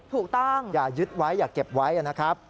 ถูกต้องอย่ายึดไว้อย่าเก็บไว้นะครับ